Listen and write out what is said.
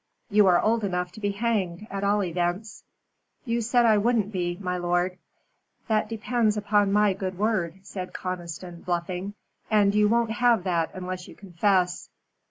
"You are old enough to be hanged, at all events." "You said I wouldn't be, my lord." "That depends upon my good word," said Conniston, bluffing; "and you won't have that unless you confess."